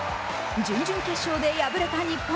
準々決勝で敗れた日本